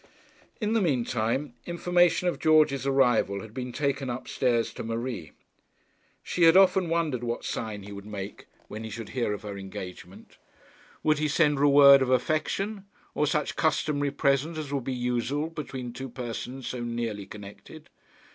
In the mean time, information of George's arrival had been taken upstairs to Marie. She had often wondered what sign he would make when he should hear of her engagement. Would he send her a word of affection, or such customary present as would be usual between two persons so nearly connected?